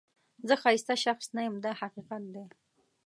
زه ښایسته شخص نه یم دا حقیقت دی.